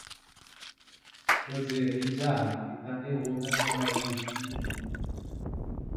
José Rizal est un héros national des Philippines.